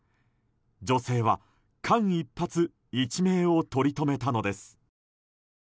女性は間一髪一命をとりとめたのです。